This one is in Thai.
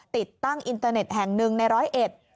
ติดตั้งอินเตอร์เน็ตแห่งหนึ่งในร้อยเอ็ด